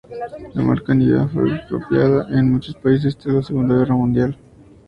La marca "Nivea" fue expropiada en muchos países tras la Segunda Guerra Mundial.